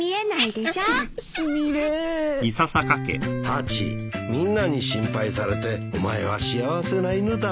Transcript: ハチみんなに心配されてお前は幸せな犬だ。